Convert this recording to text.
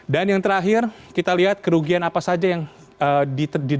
dan yang terakhir kita lihat kerugian apa saja yang diterima